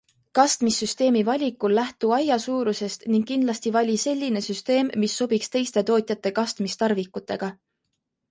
Kastmissüsteemi valikul lähtu aia suurusest ning kindlasti vali selline süsteem, mis sobiks teiste tootjate kastmistarvikutega.